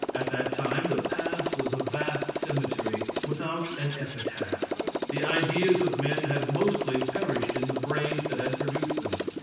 At that time the past was a vast cemetery, without an epitaph. The ideas of men had mostly perished in the brains that had produced them.